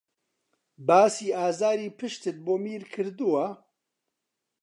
باسی ئازاری پشتتت بۆ ئەمیر کردووە؟